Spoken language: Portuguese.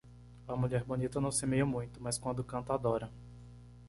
A mulher bonita não semeia muito, mas quando canta adora.